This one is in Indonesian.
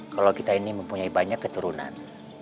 kalau kita ini mempunyai banyak keturunan